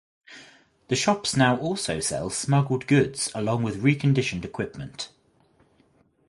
The shops now also sell smuggled goods along with reconditioned equipment.